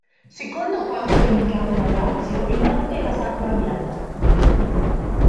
Secondo quanto indicato da Orazio il monte era sacro a Diana.